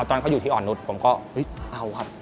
ตอนเขาอยู่ที่อ่อนนุษย์ผมก็เฮ้ยเอาครับ